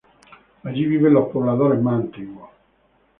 Allí viven los pobladores más antiguos.